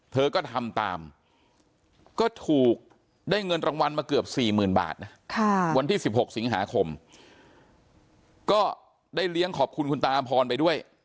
เธอก็ทำตามก็ถูกได้เงินรางวัลมาเกือบ๔๐๐๐บาทนะวันที่๑๖สิงหาคมก็ได้เลี้ยงขอบคุณคุณตาอำพรไปด้วย